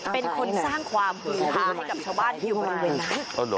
เป็นคนสร้างความภูมิภาค์ให้กับชาวบ้านที่เวลานั้น